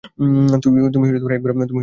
তুমি একবারও জিততে পারবে না।